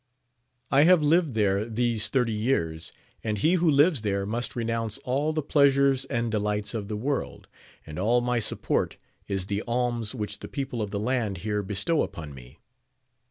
I have lived there these thirty years, and he who lives there must re nounce all the pleasures and delights of the world, and all my support is the alms which the people of the land here bestow upon me.